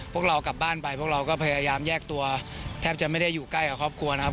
พวกเรากลับบ้านไปพวกเราก็พยายามแยกตัวแทบจะไม่ได้อยู่ใกล้กับครอบครัวนะครับ